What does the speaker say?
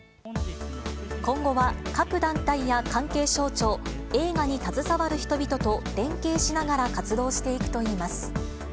今後は各団体や関係省庁、映画に携わる人々と連携しながら活動していくといいます。